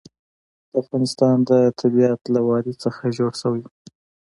د افغانستان طبیعت له وادي څخه جوړ شوی دی.